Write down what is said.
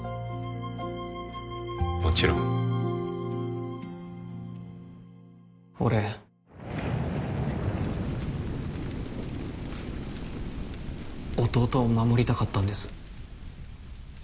もちろん俺弟を守りたかったんです